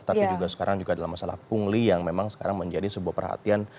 tapi juga sekarang juga adalah masalah pungli yang memang sekarang menjadi sebuah perhatian